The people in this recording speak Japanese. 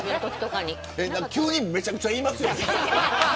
急にめちゃくちゃ言いますやん。